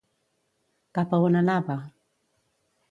Cap a on anava?